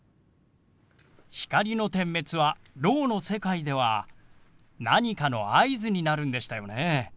光の点滅はろうの世界では何かの合図になるんでしたよね。